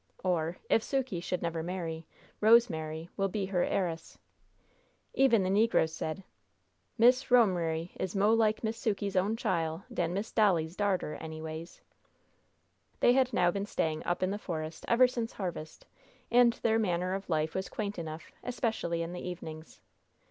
Or, "If Sukey should never marry, Rosemary will be her heiress." Even the negroes said: "Miss Ro'm'ry is mo' like Miss Sukey's own chile dan Miss Dolly's darter, anyways." They had now been staying "Up in the Forest" ever since harvest, and their manner of life was quaint enough, especially in the evenings.